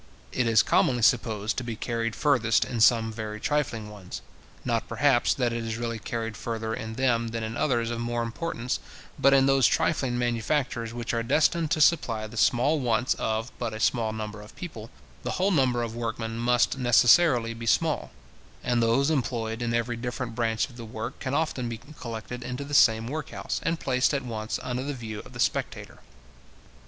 It is commonly supposed to be carried furthest in some very trifling ones; not perhaps that it really is carried further in them than in others of more importance: but in those trifling manufactures which are destined to supply the small wants of but a small number of people, the whole number of workmen must necessarily be small; and those employed in every different branch of the work can often be collected into the same workhouse, and placed at once under the view of the spectator.